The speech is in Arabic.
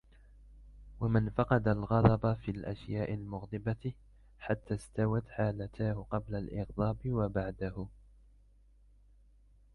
وَمَنْ فَقَدَ الْغَضَبَ فِي الْأَشْيَاءِ الْمُغْضِبَةِ حَتَّى اسْتَوَتْ حَالَتَاهُ قَبْلَ الْإِغْضَابِ وَبَعْدَهُ